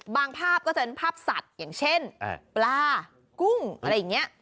ภาพก็จะเป็นภาพสัตว์อย่างเช่นปลากุ้งอะไรอย่างนี้